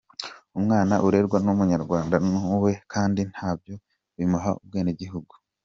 Umwana urerwa n’Umunyarwanda nk’uwe kandi nabyo bimuha ubwenegihugu.